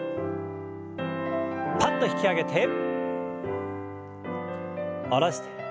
パッと引き上げて下ろして。